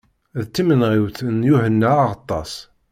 D timenɣiwt n Yuḥenna Aɣeṭṭas.